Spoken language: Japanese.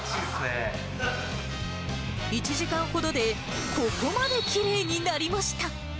１時間ほどでここまできれいになりました。